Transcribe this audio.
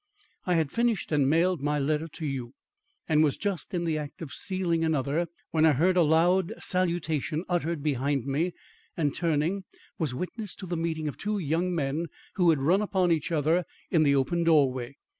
I had finished and mailed my letter to you and was just in the act of sealing another, when I heard a loud salutation uttered behind me, and turning, was witness to the meeting of two young men who had run upon each other in the open doorway.